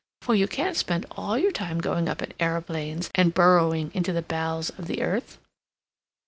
—for you can't spend all your time going up in aeroplanes and burrowing into the bowels of the earth."